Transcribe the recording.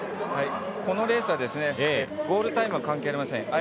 このレースはゴールタイムは関係ありません。